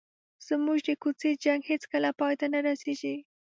زموږ د کوڅې جنګ هېڅکله پای ته نه رسېږي.